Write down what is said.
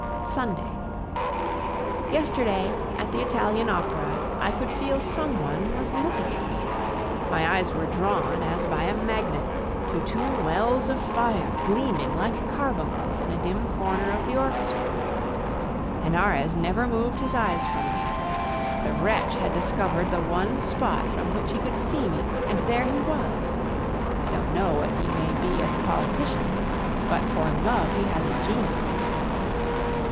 Sunday. Yesterday, at the Italian Opera, I could feel some one was looking at me; my eyes were drawn, as by a magnet, to two wells of fire, gleaming like carbuncles in a dim corner of the orchestra. Henarez never moved his eyes from me. The wretch had discovered the one spot from which he could see me and there he was. I don't know what he may be as a politician, but for love he has a genius.